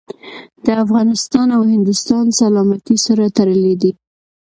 د افغانستان او هندوستان سلامتي سره تړلي دي.